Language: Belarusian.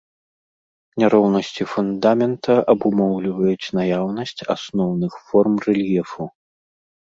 Няроўнасці фундамента абумоўліваюць наяўнасць асноўных форм рэльефу.